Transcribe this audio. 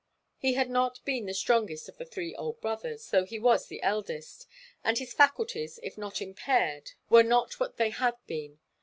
He had not been the strongest of the three old brothers, though he was the eldest, and his faculties, if not impaired, were not what they had been.